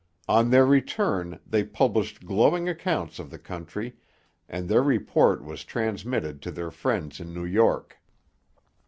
On their return they published glowing accounts of the country, and their report was transmitted to their friends in New York.